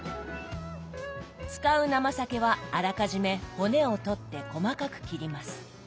使う生サケはあらかじめ骨を取って細かく切ります。